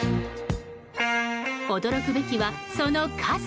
驚くべきは、その数。